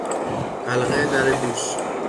حلقه در گوش